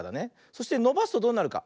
そしてのばすとどうなるか。